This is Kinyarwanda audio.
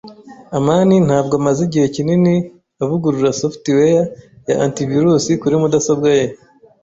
amani ntabwo amaze igihe kinini avugurura software ya antivirus kuri mudasobwa ye.